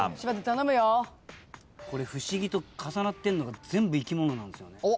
これ不思議と重なってんのが全部生き物なんですよね。